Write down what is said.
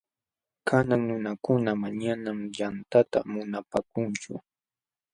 Kanan nunakuna manañam yantata munapaakunchu.